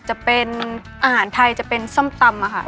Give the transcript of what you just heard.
จะเป็นอาหารไทยจะเป็นส้มตำค่ะ